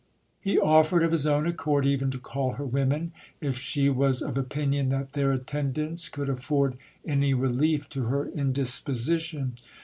He offered of his own accord even to call her women, if she was of opinion that their attendance could afford any relief to her indisposition.